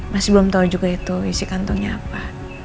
masih belum tahu juga itu isi kantongnya apa